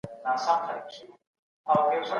موږ بايد د څېړنې يو روښانه ميتود وکاروو.